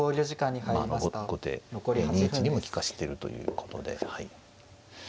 後手２一にも利かしてるということではい。